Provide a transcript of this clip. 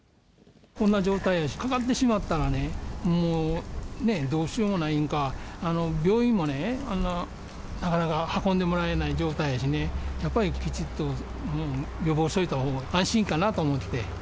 こんな状態やし、かかってしまったらね、もうどうしようもないんか、病院もなかなか運んでもらえない状態やしね、やっぱりきちっと予防しておいたほうが安心かなと思って。